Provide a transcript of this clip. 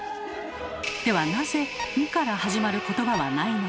ではなぜ「ん」から始まることばはないのか。